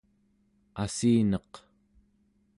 assineq